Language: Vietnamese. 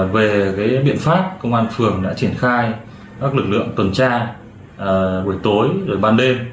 về biện pháp công an phường đã triển khai các lực lượng tuần tra buổi tối ban đêm